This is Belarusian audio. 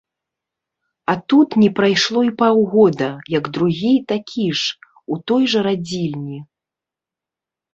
А тут не прайшло і паўгода, як другі, такі ж, у той жа радзільні.